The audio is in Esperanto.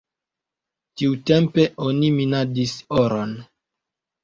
Tiutempe oni minadis oron.